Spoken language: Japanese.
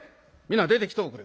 皆出てきとおくれ。